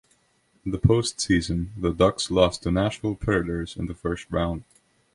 In the post-season, the Ducks lost to the Nashville Predators in the first round.